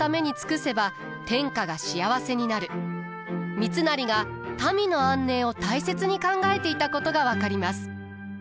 三成が民の安寧を大切に考えていたことが分かります。